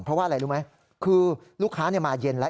เพราะว่าอะไรรู้ไหมคือลูกค้ามาเย็นแล้ว